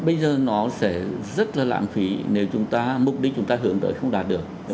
bây giờ nó sẽ rất là lãng phí nếu chúng ta mục đích chúng ta hướng tới không đạt được